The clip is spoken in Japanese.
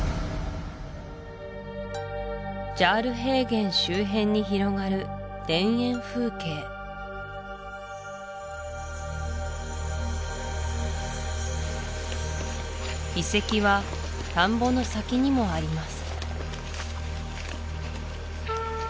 ジャール平原周辺に広がる田園風景遺跡は田んぼの先にもあります